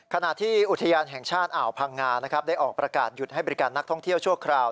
ขณะที่อุทยานแห่งชาติอ่าวพังงานะครับได้ออกประกาศหยุดให้บริการนักท่องเที่ยวชั่วคราว